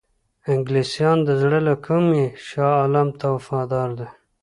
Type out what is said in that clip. انګلیسیان د زړه له کومي شاه عالم ته وفادار دي.